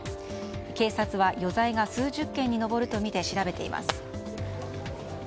警察は余罪が数十件に上るとみて調べています。